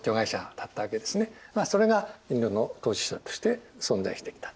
それがインドの統治者として存在してきた。